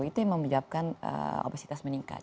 itu yang menyebabkan obesitas meningkat